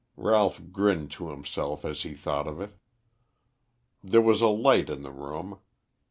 Ralph grinned to himself as he thought of it. There was a light in the room.